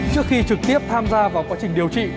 trước khi trực tiếp tham gia vào quá trình điều trị